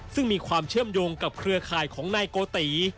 ซึ่งมีความเชื่อมโยงกับเครือข่ายของนายโกติ